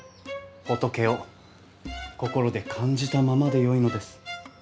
仏を心で感じたままでよいのです。